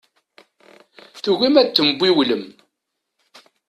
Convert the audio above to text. Tugim ad tembiwlem.